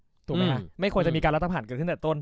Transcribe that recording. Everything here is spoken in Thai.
ตั้งแต่ต้นถูกไหมคะอืมไม่ควรจะมีการรัฐธรรมหารเกิดขึ้นตั้งแต่ต้น